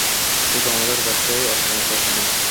শুধু আমাদের ব্যবসাই অপমানিত কেনো?